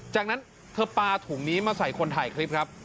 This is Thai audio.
จากนั้นเธอปลาถุงนี้มาใส่คนถ่ายคลิปครับ